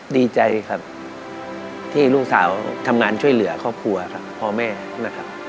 ดีใจครับที่ลูกสาวทำงานช่วยเหลือครอบครัวครับพ่อแม่นะครับ